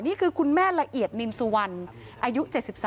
นี่คือคุณแม่ละเอียดนินสุวรรณอายุ๗๓